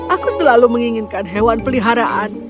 aku selalu menginginkan hewan peliharaan